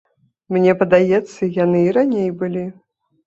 Мне падаецца, яны і раней былі.